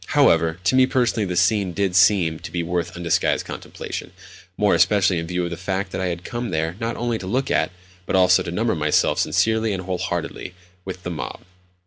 However, to me personally the scene did seem to be worth undisguised contemplation—more especially in view of the fact that I had come there not only to look at, but also to number myself sincerely and wholeheartedly with, the mob.